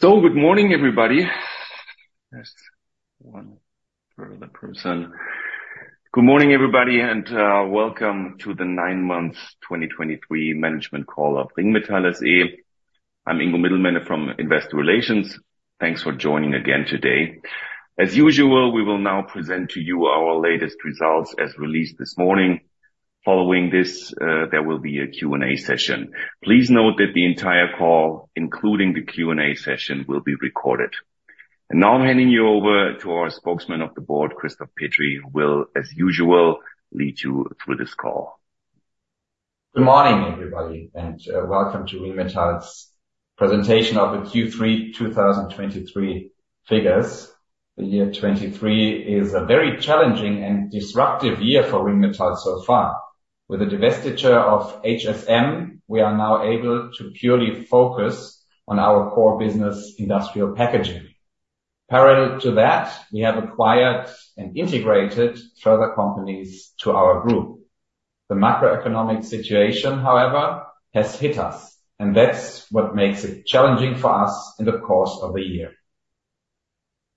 Good morning, everybody. There's one further person. Good morning, everybody, and welcome to the nine months 2023 management call of Ringmetall SE. I'm Ingo Middelmenne from Investor Relations. Thanks for joining again today. As usual, we will now present to you our latest results as released this morning. Following this, there will be a Q&A session. Please note that the entire call, including the Q&A session, will be recorded. And now I'm handing you over to our spokesman of the board, Christoph Petri, who will, as usual, lead you through this call. Good morning, everybody, and welcome to Ringmetall's presentation of the Q3 2023 figures. The year 2023 is a very challenging and disruptive year for Ringmetall so far. With the divestiture of HSM, we are now able to purely focus on our core business, industrial packaging. Parallel to that, we have acquired and integrated further companies to our group. The macroeconomic situation, however, has hit us, and that's what makes it challenging for us in the course of the year.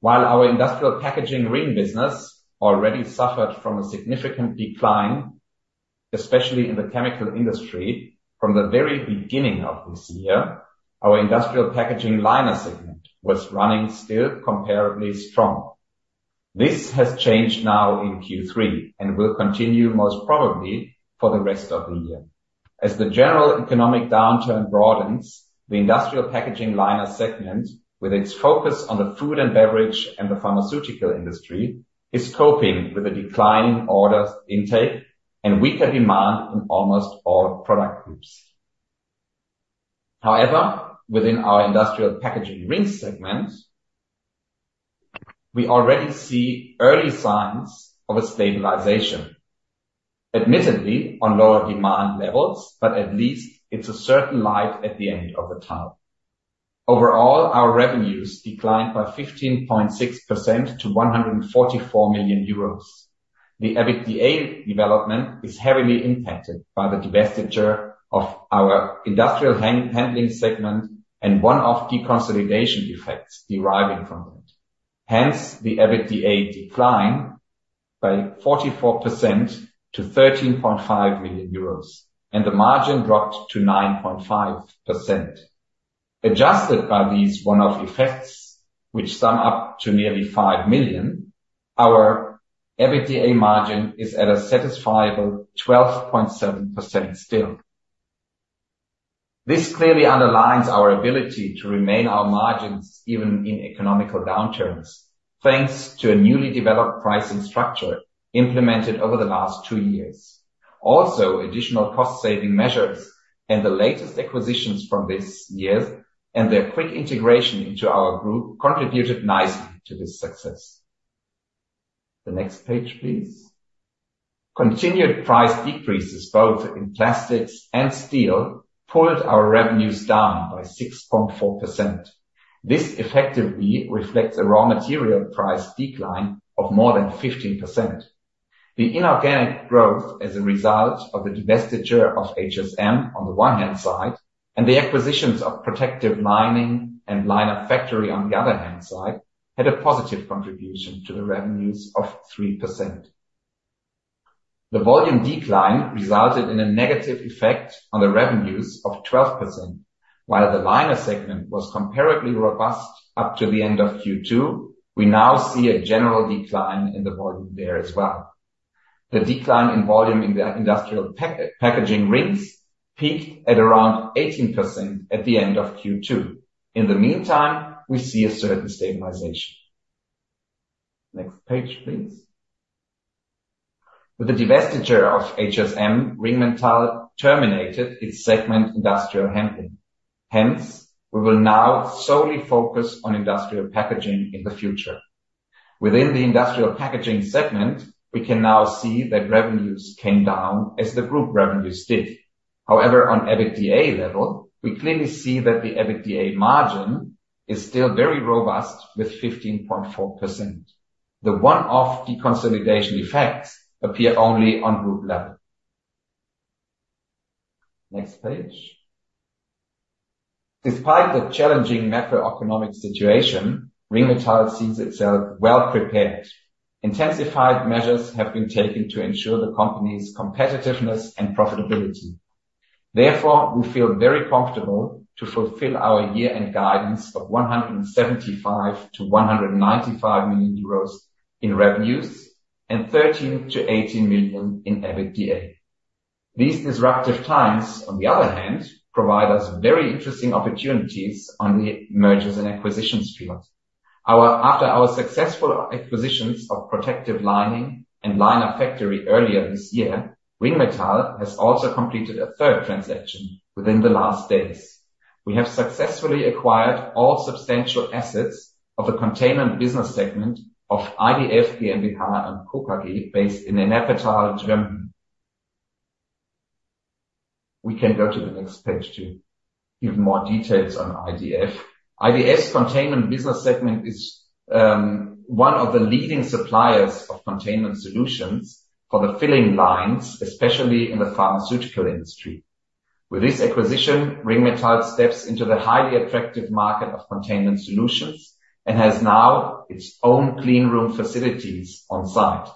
While our industrial packaging ring business already suffered from a significant decline, especially in the chemical industry from the very beginning of this year, our industrial packaging liner segment was running still comparably strong. This has changed now in Q3 and will continue most probably for the rest of the year. As the general economic downturn broadens, the industrial packaging liner segment, with its focus on the food and beverage and the pharmaceutical industry, is coping with a declining order intake and weaker demand in almost all product groups. However, within our industrial packaging ring segment, we already see early signs of a stabilization, admittedly on lower demand levels, but at least it's a certain light at the end of the tunnel. Overall, our revenues declined by 15.6% to 144 million euros. The EBITDA development is heavily impacted by the divestiture of our industrial handling segment and one-off deconsolidation effects deriving from it. Hence, the EBITDA declined by 44% to 13.5 million euros, and the margin dropped to 9.5%. Adjusted by these one-off effects, which sum up to nearly 5 million, our EBITDA margin is at a satisfactory 12.7% still. This clearly underlines our ability to maintain our margins even in economic downturns, thanks to a newly developed pricing structure implemented over the last two years. Also, additional cost-saving measures and the latest acquisitions from this year and their quick integration into our group contributed nicely to this success. The next page, please. Continued price decreases, both in plastics and steel, pulled our revenues down by 6.4%. This effectively reflects a raw material price decline of more than 15%. The inorganic growth as a result of the divestiture of HSM on the one hand side, and the acquisitions of Protective Lining and Liner Factory on the other hand side, had a positive contribution to the revenues of 3%. The volume decline resulted in a negative effect on the revenues of 12%, while the liner segment was comparably robust up to the end of Q2. We now see a general decline in the volume there as well. The decline in volume in the industrial packaging rings peaked at around 18% at the end of Q2. In the meantime, we see a certain stabilization. Next page, please. With the divestiture of HSM, Ringmetall terminated its segment, industrial handling. Hence, we will now solely focus on industrial packaging in the future. Within the industrial packaging segment, we can now see that revenues came down as the group revenues did. However, on EBITDA level, we clearly see that the EBITDA margin is still very robust, with 15.4%. The one-off deconsolidation effects appear only on group level. Next page. Despite the challenging macroeconomic situation, Ringmetall sees itself well-prepared. Intensified measures have been taken to ensure the company's competitiveness and profitability. Therefore, we feel very comfortable to fulfill our year-end guidance of 175-195 million euros in revenues and 13-18 million in EBITDA. These disruptive times, on the other hand, provide us very interesting opportunities on the mergers and acquisitions field. After our successful acquisitions of Protective Lining and Liner Factory earlier this year, Ringmetall has also completed a third transaction within the last days. We have successfully acquired all substantial assets of the containment business segment of IDF GmbH & Co. KG, based in Niefern, Germany. We can go to the next page to give more details on IDF. IDF's containment business segment is one of the leading suppliers of containment solutions for the filling lines, especially in the pharmaceutical industry. With this acquisition, Ringmetall steps into the highly attractive market of containment solutions, and has now its own clean room facilities on site.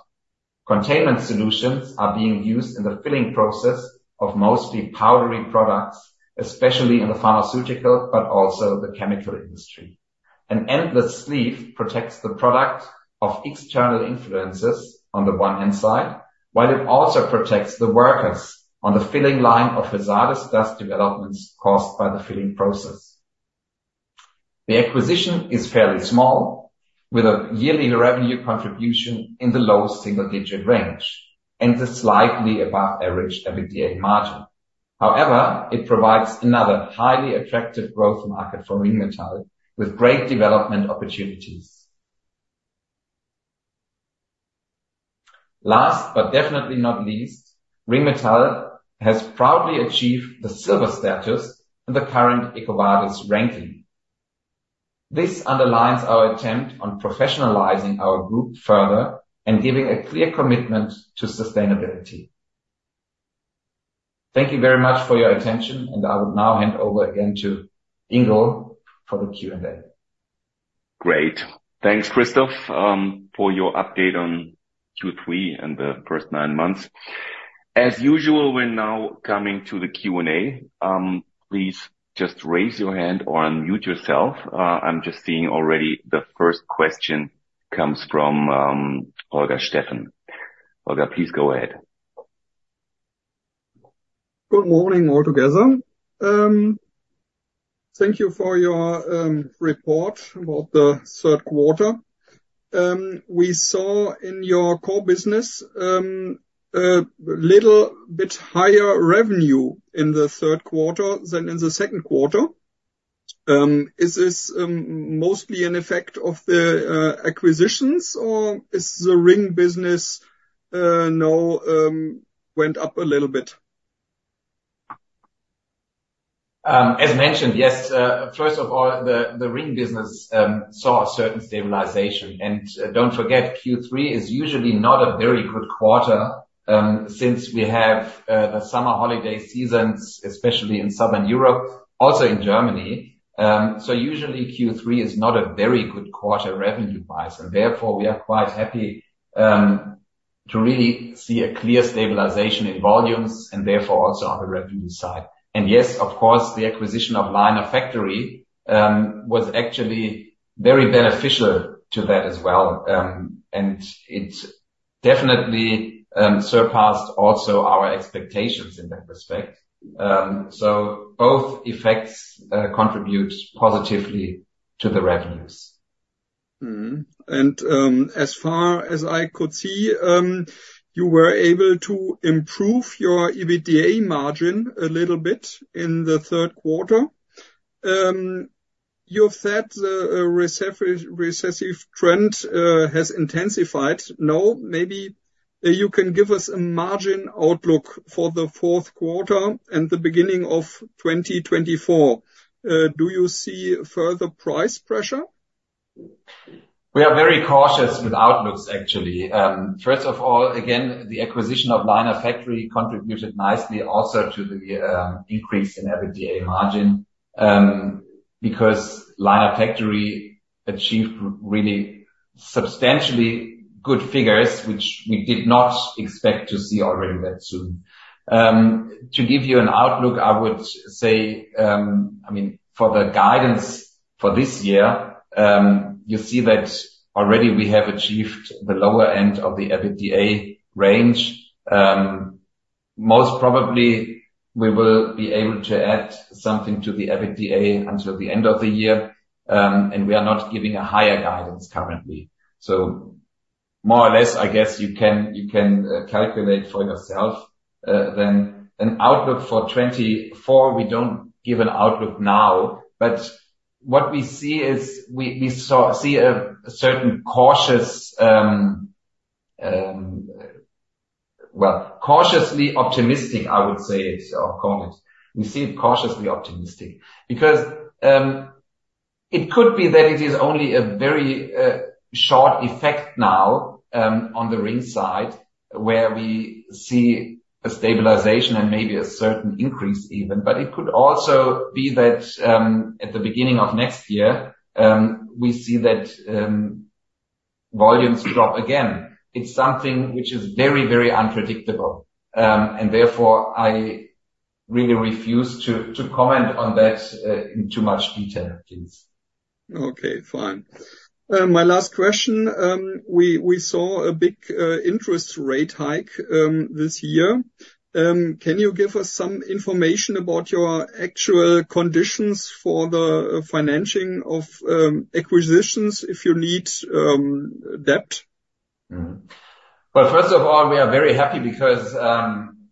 Containment solutions are being used in the filling process of mostly powdery products, especially in the pharmaceutical, but also the chemical industry. An endless sleeve protects the product of external influences on the one hand side, while it also protects the workers on the filling line of hazardous dust developments caused by the filling process. The acquisition is fairly small, with a yearly revenue contribution in the low single-digit range and a slightly above average EBITDA margin. However, it provides another highly attractive growth market for Ringmetall, with great development opportunities. Last, but definitely not least, Ringmetall has proudly achieved the silver status in the current EcoVadis ranking. This underlines our attempt on professionalizing our group further and giving a clear commitment to sustainability. Thank you very much for your attention, and I will now hand over again to Ingo for the Q&A. Great. Thanks, Christoph, for your update on Q3 and the first nine months. As usual, we're now coming to the Q&A. Please just raise your hand or unmute yourself. I'm just seeing already the first question comes from Olga Steffen. Olga, please go ahead. Good morning, all together. Thank you for your report about the third quarter. We saw in your core business a little bit higher revenue in the third quarter than in the second quarter. Is this mostly an effect of the acquisitions, or is the ring business now went up a little bit? As mentioned, yes, first of all, the ring business saw a certain stabilization. And don't forget, Q3 is usually not a very good quarter, since we have the summer holiday seasons, especially in Southern Europe, also in Germany. So usually Q3 is not a very good quarter revenue-wise, and therefore we are quite happy to really see a clear stabilization in volumes and therefore also on the revenue side. And yes, of course, the acquisition of Liner Factory was actually very beneficial to that as well. And it definitely surpassed also our expectations in that respect. So both effects contribute positively to the revenues. As far as I could see, you were able to improve your EBITDA margin a little bit in the third quarter. You've said the recessionary trend has intensified. Now, maybe you can give us a margin outlook for the fourth quarter and the beginning of 2024. Do you see further price pressure? We are very cautious with outlooks, actually. First of all, again, the acquisition of Liner Factory contributed nicely also to the, increase in EBITDA margin, because Liner Factory achieved really substantially good figures, which we did not expect to see already that soon. To give you an outlook, I would say, I mean, for the guidance for this year, you see that already we have achieved the lower end of the EBITDA range. Most probably, we will be able to add something to the EBITDA until the end of the year, and we are not giving a higher guidance currently. So more or less, I guess you can, you can, calculate for yourself. Then an outlook for 2024, we don't give an outlook now, but what we see is we see a certain cautious, well, cautiously optimistic, I would say it, or call it. We see it cautiously optimistic. Because it could be that it is only a very short effect now on the ring side, where we see a stabilization and maybe a certain increase even. But it could also be that at the beginning of next year we see that volumes drop again. It's something which is very, very unpredictable, and therefore, I really refuse to comment on that in too much detail, please. Okay, fine. My last question. We saw a big interest rate hike this year. Can you give us some information about your actual conditions for the financing of acquisitions, if you need debt? Mm-hmm. Well, first of all, we are very happy because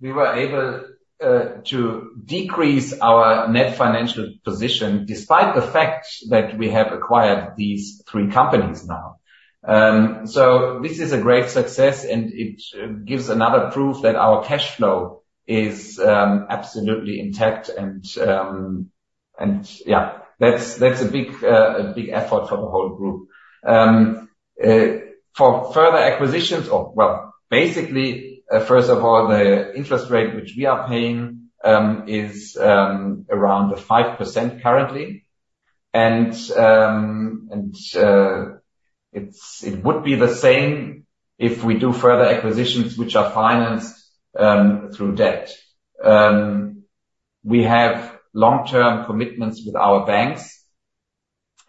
we were able to decrease our net financial position, despite the fact that we have acquired these three companies now. So this is a great success, and it gives another proof that our cash flow is absolutely intact and... And yeah, that's a big effort for the whole group. For further acquisitions or well, basically, first of all, the interest rate, which we are paying, is around 5% currently. And it would be the same if we do further acquisitions, which are financed through debt. We have long-term commitments with our banks,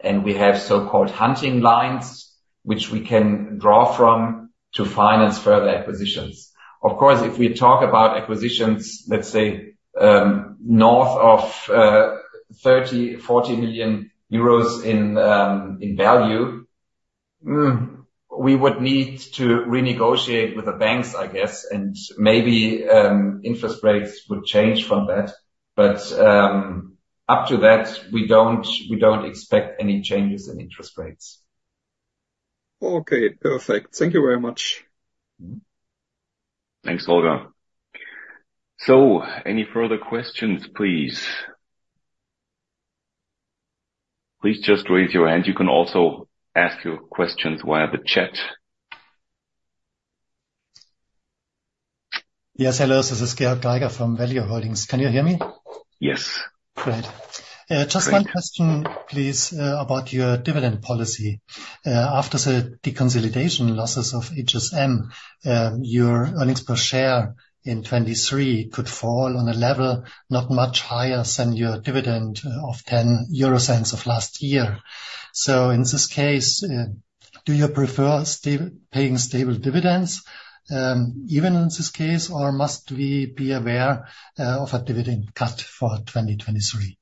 and we have so-called hunting lines, which we can draw from to finance further acquisitions. Of course, if we talk about acquisitions, let's say, north of 30 million-40 million euros in value, we would need to renegotiate with the banks, I guess, and maybe, interest rates would change from that. But, up to that, we don't, we don't expect any changes in interest rates. Okay, perfect. Thank you very much. Mm-hmm. Thanks, Olga. Any further questions, please? Please just raise your hand. You can also ask your questions via the chat. Yes, hello. This is Georg Geiger from Value Holdings. Can you hear me? Yes. Great. Just one question, please, about your dividend policy. After the deconsolidation losses of HSM, your earnings per share in 2023 could fall on a level not much higher than your dividend of 0.10 of last year. So in this case, do you prefer stable-paying stable dividends, even in this case, or must we be aware of a dividend cut for 2023?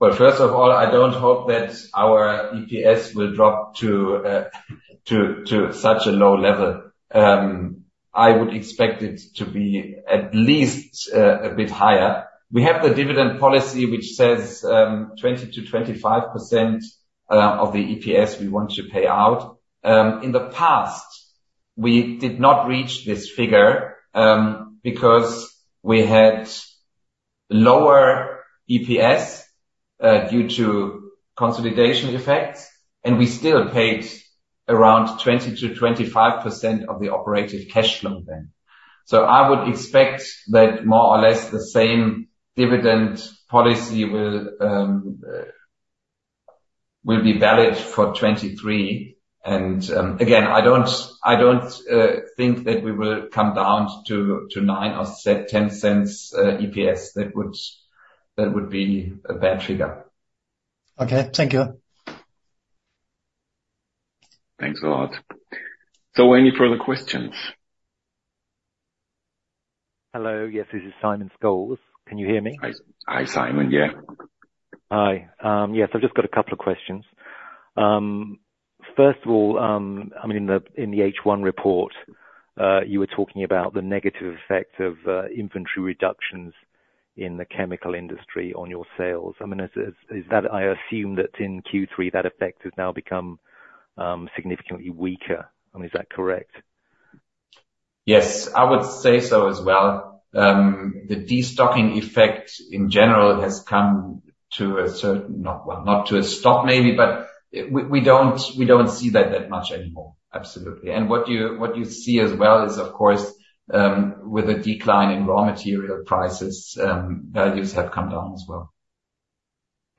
Well, first of all, I don't hope that our EPS will drop to such a low level. I would expect it to be at least a bit higher. We have the dividend policy, which says 20%-25% of the EPS we want to pay out. In the past, we did not reach this figure because we had lower EPS due to consolidation effects, and we still paid around 20%-25% of the operative cash flow then. So I would expect that more or less the same dividend policy will be valid for 2023. Again, I don't think that we will come down to 9 or 10 cents EPS. That would be a bad figure. Okay. Thank you. Thanks a lot. Any further questions? Hello. Yes, this is Simon Scholes. Can you hear me? Hi, Simon. Yeah. Hi. Yes, I've just got a couple of questions. First of all, I mean, in the H1 report, you were talking about the negative effect of inventory reductions in the chemical industry on your sales. I mean, is that, I assume, that in Q3, that effect has now become significantly weaker? I mean, is that correct? Yes, I would say so as well. The destocking effect in general has come to a certain... Not, well, not to a stop, maybe, but we, we don't, we don't see that, that much anymore. Absolutely. And what you, what you see as well is, of course, with a decline in raw material prices, values have come down as well.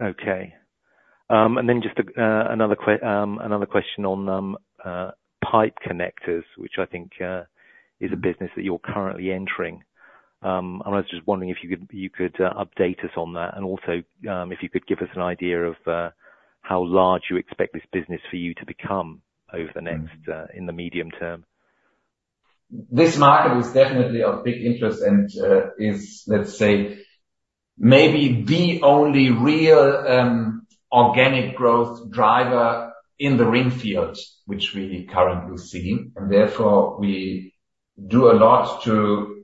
Okay. And then just another question on pipe connectors, which I think is a business that you're currently entering. And I was just wondering if you could update us on that, and also if you could give us an idea of how large you expect this business for you to become over the next in the medium term. This market is definitely of big interest and is, let's say, maybe the only real organic growth driver in the ring field, which we are currently seeing. And therefore, we do a lot to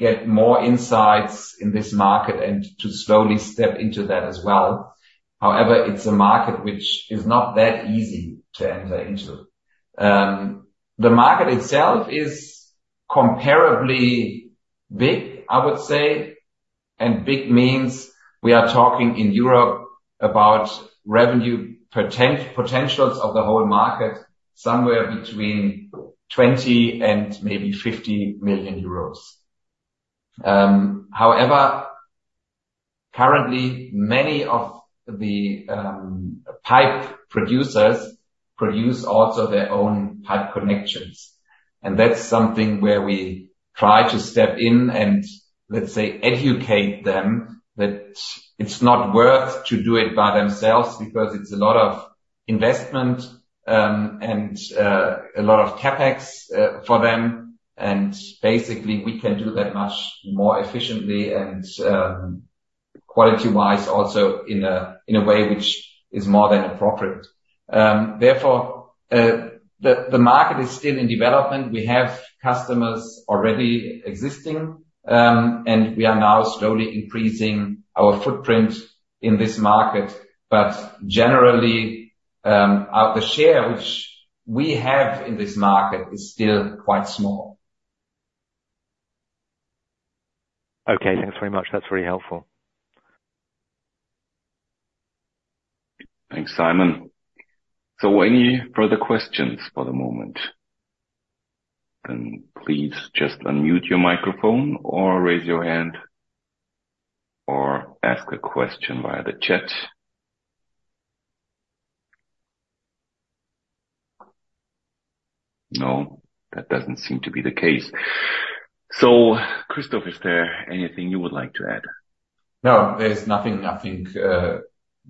get more insights in this market and to slowly step into that as well. However, it's a market which is not that easy to enter into. The market itself is comparably big, I would say, and big means we are talking in Europe about revenue potentials of the whole market, somewhere between 20 million and maybe 50 million euros. However, currently, many of the pipe producers produce also their own pipe connections, and that's something where we try to step in and, let's say, educate them that it's not worth to do it by themselves because it's a lot of investment, and a lot of CapEx for them, and basically, we can do that much more efficiently and, quality-wise, also in a way which is more than appropriate. Therefore, the market is still in development. We have customers already existing, and we are now slowly increasing our footprint in this market. But generally, the share which we have in this market is still quite small. Okay, thanks very much. That's very helpful. Thanks, Simon. So any further questions for the moment? Then please just unmute your microphone or raise your hand or ask a question via the chat. No, that doesn't seem to be the case. So, Christoph, is there anything you would like to add? No, there's nothing, I think,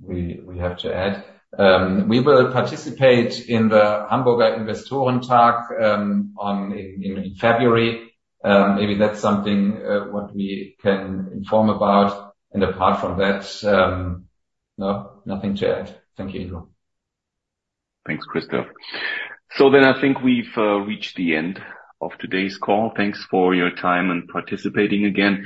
we have to add. We will participate in the Hamburg Investorentag in February. Maybe that's something what we can inform about. And apart from that, no, nothing to add. Thank you, Ingo. Thanks, Christoph. So then I think we've reached the end of today's call. Thanks for your time and participating again.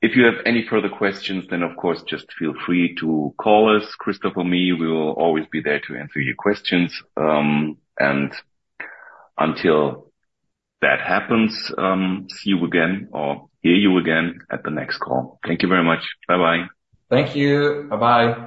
If you have any further questions, then, of course, just feel free to call us, Christoph or me, we will always be there to answer your questions. And until that happens, see you again, or hear you again at the next call. Thank you very much. Bye-bye. Thank you. Bye-bye.